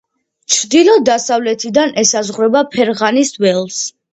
ჩრდილო-დასავლეთიდან ესაზღვრება ფერღანის ველს.